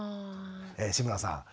志村さん